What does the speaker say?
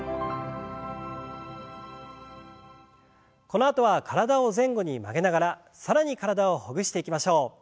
このあとは体を前後に曲げながら更に体をほぐしていきましょう。